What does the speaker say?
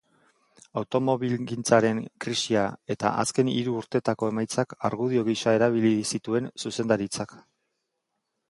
Automobilgintzaren krisia eta azken hiru urteetako emaitzak argudio gisa erabili zituen zuzendaritzak.